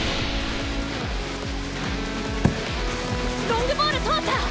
ロングボール通った！